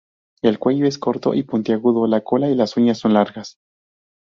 El cuello es corto y puntiagudo; la cola y las uñas son largas.